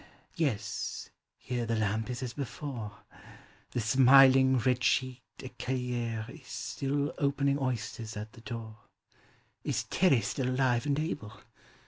Yes, here the lamp is as before; The smiling, red cheeked eeaillere is Still opening oysters at the door. Is Terr£ still alive and able?